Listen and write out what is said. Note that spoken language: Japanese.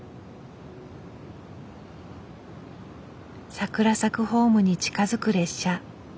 桜咲くホームに近づく列車。